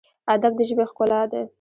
ادب د ژبې ښکلا ده